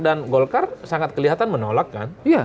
dan golkar sangat kelihatan menolak kan